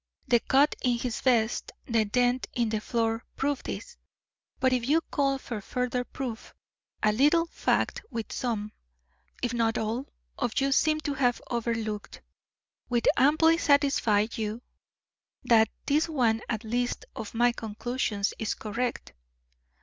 The cut in his vest, the dent in the floor, prove this, but if you call for further proof, a little fact, which some, if not all, of you seem to have overlooked, will amply satisfy you that this one at least of my conclusions is correct.